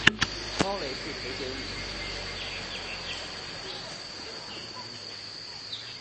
猫雷是陪酒女